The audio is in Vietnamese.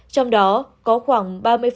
trong đó có khoảng ba mươi